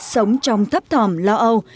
sống trong thấp thỏm lõ âu